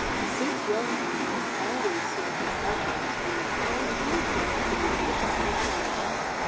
Six Wellington girls always served as ushers and the college Glee Club formed the Chapel choir.